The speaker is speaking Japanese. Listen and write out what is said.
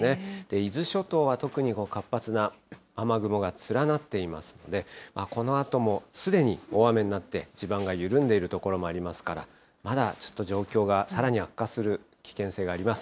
伊豆諸島は特にこの活発な雨雲が連なっていますので、このあともすでに大雨になって、地盤が緩んでいる所もありますから、まだちょっと状況が、さらに悪化する危険性があります。